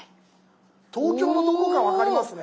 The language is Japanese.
東京のどこか分かりますね。